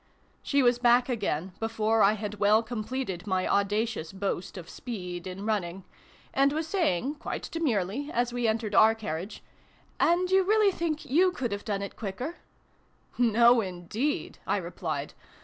She was back again before I had well com pleted my audacious boast of speed in running, and was saying, quite demurely, as we entered our carriage, " and you really think you could have done it quicker ?"" No indeed !" I replied.